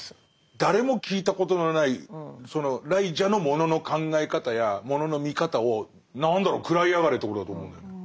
誰も聞いたことのないその癩者のものの考え方やものの見方を何だろう食らいやがれということだと思うんだよね。